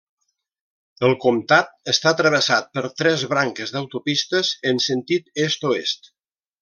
El comtat està travessat per tres branques d'autopistes en sentit est-oest.